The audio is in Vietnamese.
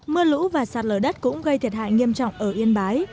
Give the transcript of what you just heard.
mưa lũ và sạt lở đất cũng gây thiệt hại nghiêm trọng ở yên bái